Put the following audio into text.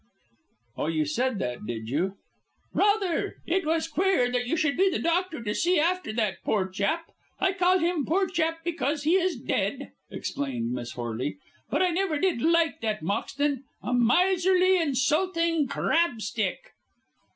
'" "Oh, you said that, did you?" "Rather. It was queer that you should be the doctor to see after that poor chap. I call him poor chap because he is dead," explained Miss Horley, "but I never did like that Moxton. A miserly, insulting crab stick."